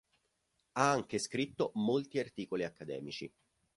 Ha anche scritto molti articoli accademici.